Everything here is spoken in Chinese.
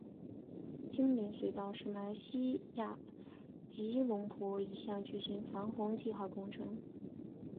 精明隧道是马来西亚吉隆坡一项巨型防洪计划工程。